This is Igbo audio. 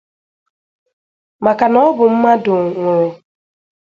maka na ọ bụ mmadụ nwụrụ.